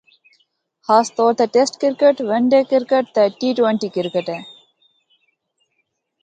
خاص طور تے test cricket, one day cricket تے ٹی ٹونٹی کرکٹ ہے۔